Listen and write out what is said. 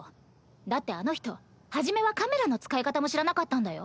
だってあの人初めはカメラの使い方も知らなかったんだよ。